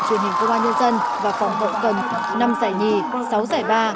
truyền hình công an nhân dân và phòng hậu cần năm giải nhì sáu giải ba